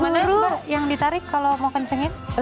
yang mana mbak yang ditarik kalau mau kencangin